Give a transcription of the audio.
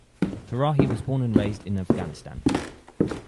Farahi was born and raised in Afghanistan.